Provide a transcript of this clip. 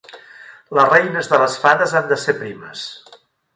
Les reines de les fades han de ser primes.